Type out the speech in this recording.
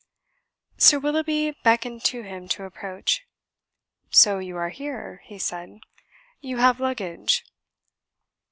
Sir Willoughby beckoned to him to approach. "So you are here," he said. "You have luggage."